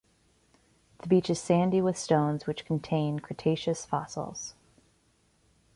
The beach is sandy with stones which contain Cretaceous fossils.